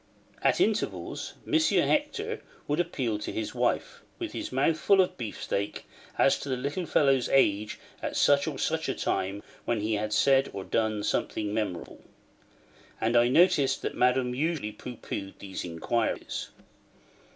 At intervals, M. Hector would appeal to his wife, with his mouth full of beefsteak, as to the little fellow's age at such or such a time when he had said or done something memorable; and I noticed that Madame usually pooh poohed these inquiries.